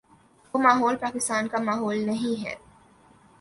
وہ ماحول پاکستان کا ماحول نہیں ہے۔